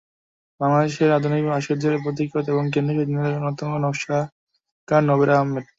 বাংলাদেশে আধুনিক ভাস্কর্যের পথিকৃৎ এবং কেন্দ্রীয় শহীদ মিনারের অন্যতম নকশাকার নভেরা আহমেদ।